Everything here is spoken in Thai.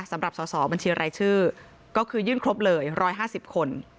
สำหรับสอบบัญชีรายชื่อก็คือยื่นครบเลย๑๕๐คน